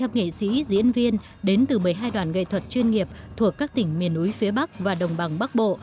một trăm linh nghệ sĩ diễn viên đến từ một mươi hai đoàn nghệ thuật chuyên nghiệp thuộc các tỉnh miền núi phía bắc và đồng bằng bắc bộ